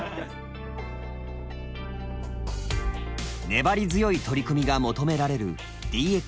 粘り強い取り組みが求められるＤＸ。